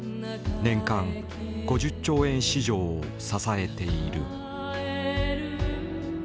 年間５０兆円市場を支えている。